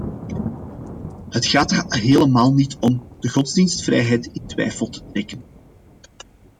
Het gaat er helemaal niet om de godsdienstvrijheid in twijfel te trekken.